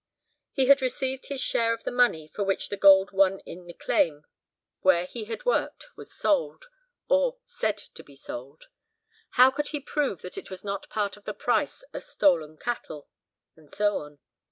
He had received his share of the money for which the gold won in the claim where he had worked was sold, or said to be sold. How could he prove that it was not a part of the price of the stolen cattle? And so on.